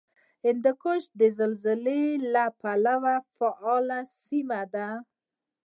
هندوکش د زلزلې له پلوه فعاله سیمه ده